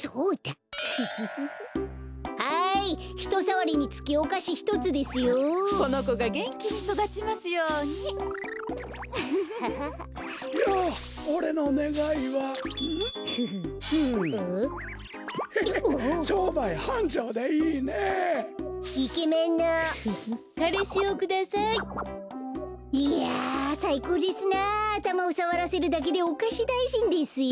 あたまをさわらせるだけでおかしだいじんですよ。